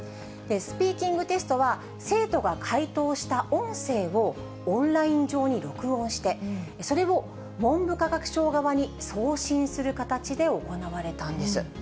スピーキングテストは、生徒が解答した音声をオンライン上に録音して、それを文部科学省側に送信する形で行われたんです。